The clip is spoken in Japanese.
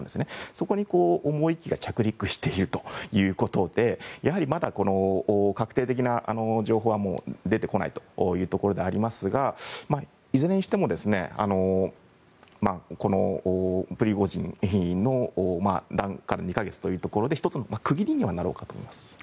そこにもう１機が着陸しているということでやはりまだ確定的な情報は出てこないというところですがいずれにしてもプリゴジンの乱から２か月というところで１つの区切りにはなろうかと思います。